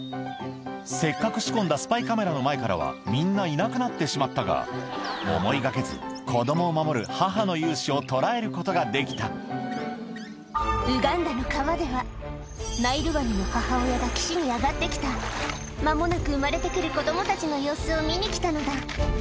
せっかく仕込んだスパイカメラの前からはみんないなくなってしまったが思いがけず子供を守る母の雄姿を捉えることができたウガンダの川ではナイルワニの母親が岸に上がってきた間もなく生まれてくる子供たちの様子を見に来たのだ